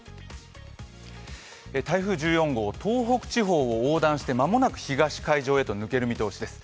台風１４号、東北地方を横断して間もなく東海上へと抜ける見通しです。